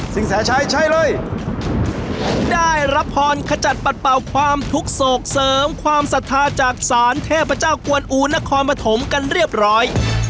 แสชัยใช้เลยได้รับพรขจัดปัดเป่าความทุกข์โศกเสริมความศรัทธาจากศาลเทพเจ้ากวนอูนครปฐมกันเรียบร้อย